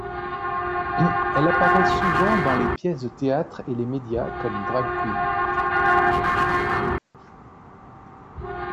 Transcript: Elle apparaît souvent dans les pièces de théâtre et les médias comme drag queen.